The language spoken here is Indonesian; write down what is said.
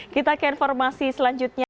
kita ke informasi selanjutnya